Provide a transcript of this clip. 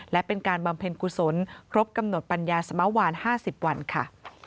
และเป็นการบำเพ็ญกุศลครบกำหนดปัญญาสมวาน๕๐วันค่ะ